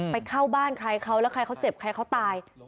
เข้าบ้านใครเขาแล้วใครเขาเจ็บใครเขาตาย